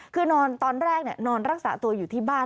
คือนอนตอนแรกนอนรักษาตัวอยู่ที่บ้าน